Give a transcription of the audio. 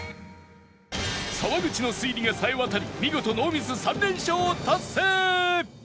沢口の推理がさえ渡り見事ノーミス３連勝を達成！